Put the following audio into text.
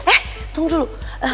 eh tunggu dulu